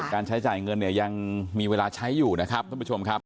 การใช้จ่ายเงินเนี่ยยังมีเวลาใช้อยู่นะครับท่านผู้ชมครับ